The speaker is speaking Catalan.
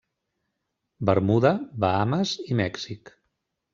Bermuda, Bahames i Mèxic.